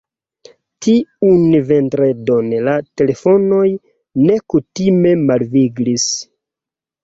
Tiun vendredon la telefonoj nekutime malviglis.